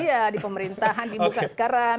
iya di pemerintahan dibuka sekarang